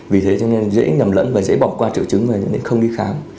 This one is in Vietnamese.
vì thế cho nên dễ nhầm lẫn và dễ bỏ qua triệu chứng và những không đi khám